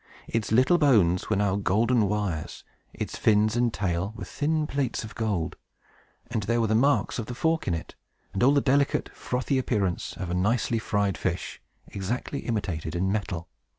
Its little bones were now golden wires; its fins and tail were thin plates of gold; and there were the marks of the fork in it, and all the delicate, frothy appearance of a nicely fried fish, exactly imitated in metal.